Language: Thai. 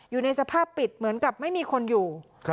อยู่ในสภาพปิดเหมือนกับไม่มีคนอยู่